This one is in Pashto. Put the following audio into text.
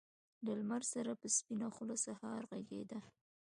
له لمر سره په سپينه خــــوله سهار غــــــــږېده